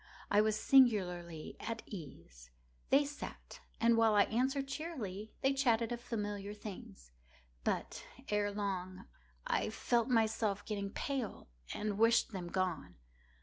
I was singularly at ease. They sat, and while I answered cheerily, they chatted of familiar things. But, ere long, I felt myself getting pale and wished them gone.